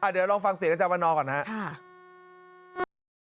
เดี๋ยวลองฟังเสร็จกันจากวันนอก่อนนะครับ